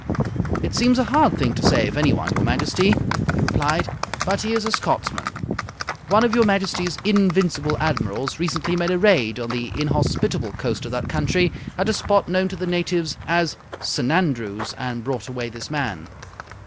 "It seems a hard thing to say of anyone, your Majesty," he replied, "but he is a Scotsman. One of your Majesty's invincible admirals recently made a raid on the inhospitable coast of that country at a spot known to the natives as S'nandrews and brought away this man."